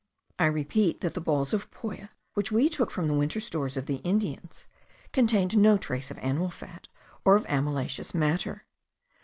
I repeat that the balls of poya, which we took from the winter stores of the Indians, contained no trace of animal fat, or of amylaceous matter.